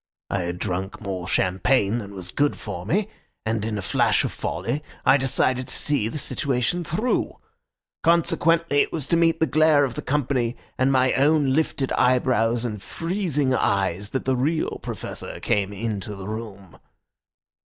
I had drunk more champagne than was good for me, and in a flash of folly I decided to see the situation through. Consequently it was to meet the glare of the company and my own lifted eyebrows and freezing eyes that the real Professor came into the room.